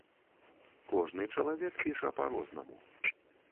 Кожны чалавек піша па-рознаму.